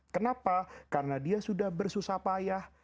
kenapa karena dia sudah bersusah payah